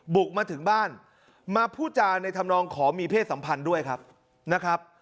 บุกมาถึงบ้านมาพูดจาในธรรมนองขอมีเพศสัมพันธ์ด้วยครับนะครับ